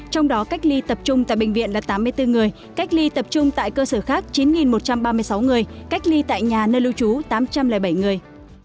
trong đó cách ly tập trung tại bệnh viện là tám mươi bốn người cách ly tập trung tại cơ sở khác chín một trăm ba mươi sáu người cách ly tại nhà nơi lưu trú tám trăm linh bảy người